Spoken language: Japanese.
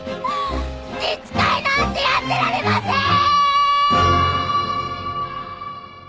自治会なんてやってられませーん！！